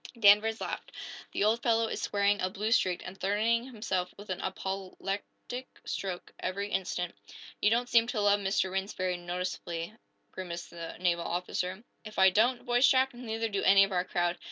Danvers laughed. "The old fellow is swearing a blue streak, and threatening himself with an apoplectic stroke every instant." "You don't seem to love Mr. Rhinds very noticeably," grimaced the naval officer. "If I don't," voiced Jack, "neither do any of our crowd.